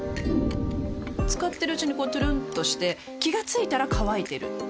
使ってるうちにこうトゥルンとして気が付いたら乾いてる